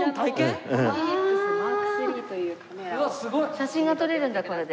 写真が撮れるんだこれで。